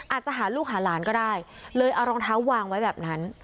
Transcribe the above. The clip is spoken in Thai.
อาจจะหาลูกหาหลานก็ได้เลยเอารองเท้าวางไว้แบบนั้น